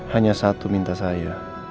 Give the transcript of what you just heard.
hanya satu minta saya